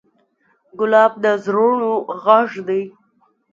ګلاب د زړونو غږ دی.